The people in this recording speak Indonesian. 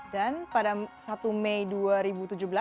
dan pada satu minggu kemudian kemudian kembali ke jawa barat